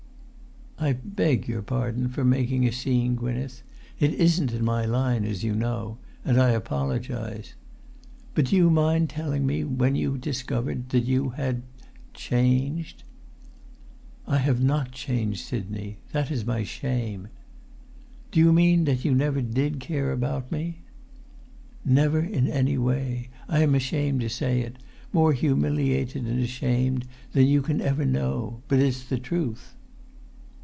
"I beg your pardon for making a scene, Gwynneth; it isn't in my line, as you know, and I apologise. But do you mind telling me when you discovered that you had—changed?" [Pg 331]"I have not changed, Sidney. That is my shame." "Do you mean that you never did care about me?" "Never in that way. I am ashamed to say it—more humiliated and ashamed than you can ever know. But it's the truth."